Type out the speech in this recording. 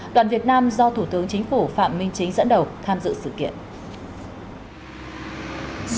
đoàn việt nam do thủ tướng chính phủ phạm minh chính dẫn đầu tham dự sự kiện